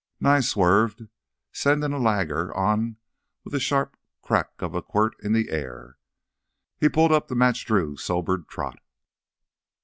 Nye swerved, sending a lagger on with a sharp crack of quirt in the air. He pulled up to match Drew's sobered trot.